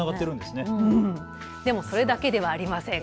でも、それだけではありません。